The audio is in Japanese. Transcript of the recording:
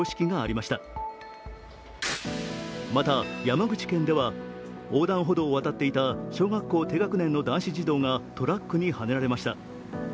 また、山口県では横断歩道を渡っていた小学校低学年の男子児童がトラックにはねられました。